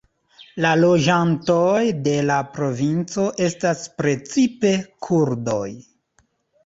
La loĝantoj de la provinco estas precipe kurdoj.